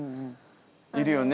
いるよね。